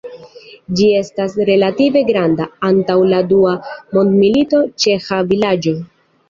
Ĝi estas relative granda, antaŭ la dua mondmilito ĉeĥa vilaĝo.